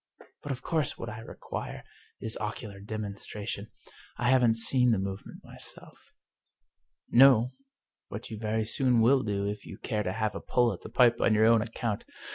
But of course what I require is ocular demonstration. I haven't seen the move ment myself." " No, but you very soon will do if you care to have a pull at the pipe on your own account.